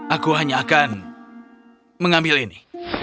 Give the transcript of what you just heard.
aku hanya akan mengambil ini